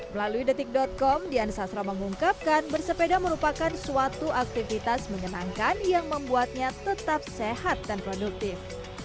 melalui detik com dian sasro mengungkapkan bersepeda merupakan suatu aktivitas menyenangkan yang membuatnya tetap sehat dan produktif